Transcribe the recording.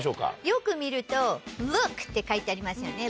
よく見ると「ＬＯＯＫ！」って書いてありますよね。